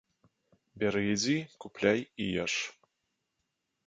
Бяры ідзі, купляй і еш.